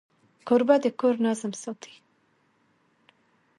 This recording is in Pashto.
کوربه د کور نظم ساتي.